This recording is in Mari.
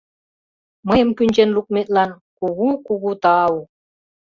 — Мыйым кӱнчен лукметлан — кугу-кугу тау!